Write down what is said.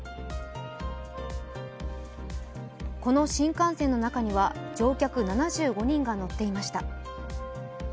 この新幹線の中には乗客７５人が乗っていました。